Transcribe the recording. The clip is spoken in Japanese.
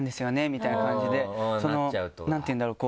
みたいな感じでその何ていうんだろう？